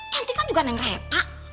cantik kan juga yang repa